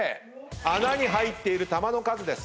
穴に入っている球の数です。